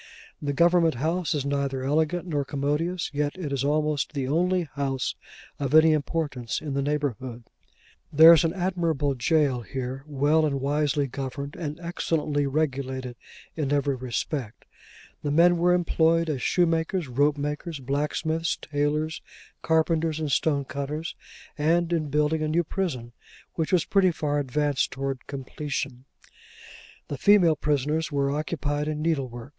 The Government House is neither elegant nor commodious, yet it is almost the only house of any importance in the neighbourhood. There is an admirable jail here, well and wisely governed, and excellently regulated, in every respect. The men were employed as shoemakers, ropemakers, blacksmiths, tailors, carpenters, and stonecutters; and in building a new prison, which was pretty far advanced towards completion. The female prisoners were occupied in needlework.